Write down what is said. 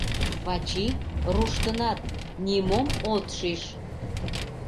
Вачи, руштынат, нимом от шиж.